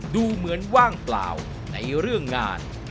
ดูเหมือนว่างเปล่าในเรื่องงาน